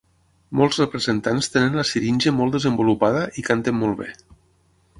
Molts representants tenen la siringe molt desenvolupada i canten molt bé.